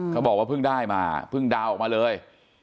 เขาบอกว่าเพิ่งได้มาเพิ่งดาวน์ออกมาเลย